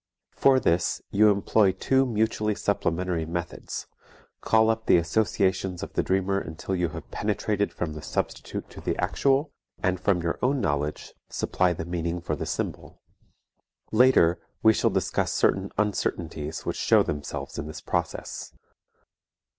For this you employ two mutually supplementary methods, call up the associations of the dreamer until you have penetrated from the substitute to the actual, and from your own knowledge supply the meaning for the symbol. Later we shall discuss certain uncertainties which show themselves in this process.